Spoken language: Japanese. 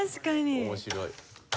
面白い。